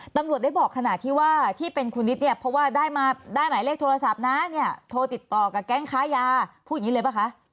ตำรวจได้บอกขณะที่ว่าที่เป็นคุณนิดเนี่ยเพราะว่าได้มาได้หมายเลขโทรศัพท์นะเนี่ยโทรติดต่อกับแก๊งค้ายาพูดอย่างนี้เลยป่ะคะ